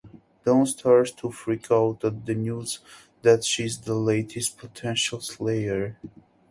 Dawn starts to freak out at the news that she's the latest Potential Slayer.